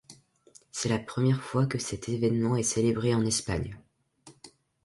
C'est la première fois que cet événement est célébré en Espagne.